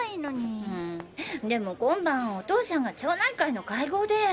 うんでも今晩お父さんが町内会の会合で。